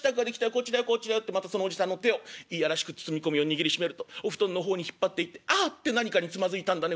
こっちだよこっちだよ』ってまたそのおじさんの手を嫌らしく包み込むように握りしめるとお布団の方に引っ張っていって『ああ』って何かにつまずいたんだね